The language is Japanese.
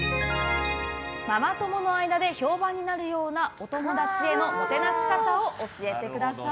ママ友の間で評判になるようなお友達へのもてなし方を教えてください。